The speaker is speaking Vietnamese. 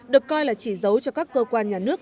được coi là chỉ dấu cho các cơ quan nhà nước